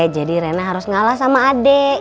jadi rena harus ngalah sama adek